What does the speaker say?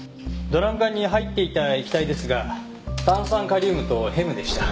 ドラム缶に入っていた液体ですが炭酸カリウムとヘムでした。